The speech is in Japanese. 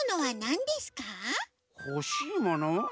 ほしいもの？